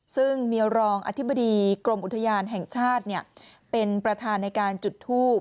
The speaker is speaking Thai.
ซึ่งมีรองอธิบดีกรมอุทยานแห่งชาติเป็นประธานในการจุดทูบ